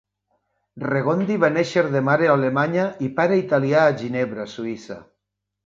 Regondi va néixer de mare alemanya i pare italià a Ginebra, Suïssa.